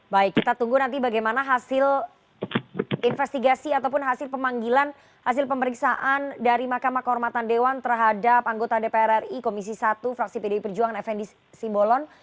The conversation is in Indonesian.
baik kita tunggu nanti bagaimana hasil investigasi ataupun hasil pemanggilan hasil pemeriksaan dari mahkamah kehormatan dewan terhadap anggota dpr ri komisi satu fraksi pdi perjuangan fnd simbolon